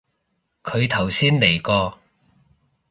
佢頭先嚟過